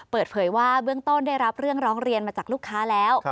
เปิดเผยว่าเบื้องต้นได้รับเรื่องร้องเรียนมาจากลูกค้าแล้ว